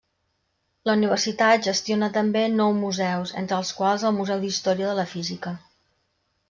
La universitat gestiona també nou museus, entre els quals, el Museu d'Història de la Física.